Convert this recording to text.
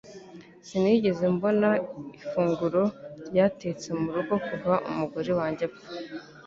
Sinigeze mbona ifunguro ryatetse mu rugo kuva umugore wanjye apfa